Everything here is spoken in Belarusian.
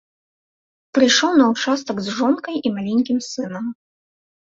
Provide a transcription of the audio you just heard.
Прыйшоў на ўчастак з жонкай і маленькім сынам.